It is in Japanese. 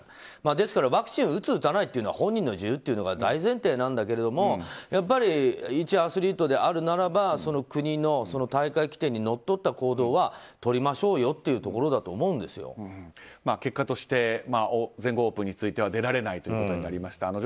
ですから、ワクチンを打つ打たないというのは本人の自由というのが大前提なんだけれどもやっぱりいちアスリートであるならばその国の大会規定にのっとった行動は取りましょうよというところだと結果として全豪オープンについては出られないということになりました。